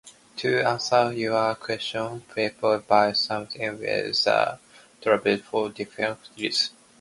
To answer your question, people buy souvenirs when they travel for different reasons.